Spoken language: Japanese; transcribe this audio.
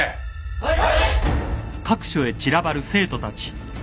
はい。